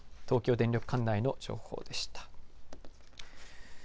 東京電力管内の情報でした。